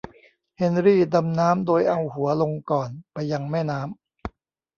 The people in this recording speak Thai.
เฮนรี่ดำน้ำโดยเอาหัวลงก่อนไปยังแม่น้ำ